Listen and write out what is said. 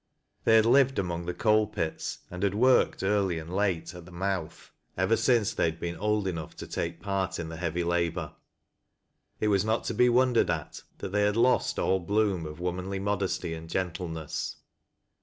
They had lived among the coal pits, and had worked early and late at the " mouth," ever since they had been old enough tc take part in the heavy labor. It was not to be wondered at that they had lost all bloom of womanly modesty and gentleness.